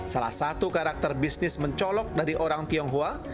salah satu karakter bisnis mencolok dari orang tionghoa